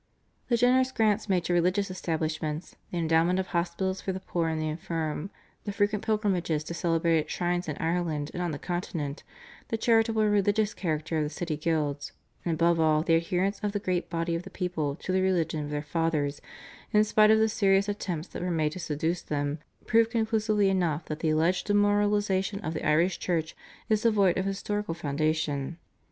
The generous grants made to religious establishments, the endowment of hospitals for the poor and the infirm, the frequent pilgrimages to celebrated shrines in Ireland and on the Continent, the charitable and religious character of the city guilds, and above all the adherence of the great body of the people to the religion of their fathers in spite of the serious attempts that were made to seduce them, prove conclusively enough that the alleged demoralisation of the Irish Church is devoid of historical foundation.